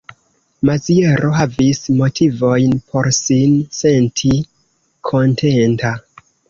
Maziero havis motivojn por sin senti kontenta.